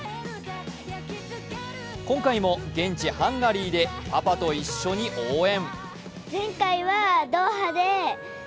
今回も現地・ハンガリーでパパと一緒に応援。